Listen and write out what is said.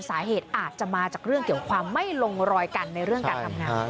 สาเหตุอาจจะมาจากเรื่องเกี่ยวความไม่ลงรอยกันในเรื่องการทำงาน